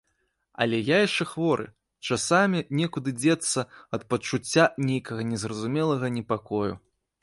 Але я яшчэ хворы, часамі некуды дзецца ад пачуцця нейкага незразумелага непакою.